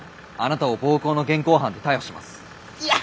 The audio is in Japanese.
いや。